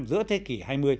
giữa thế kỷ hai mươi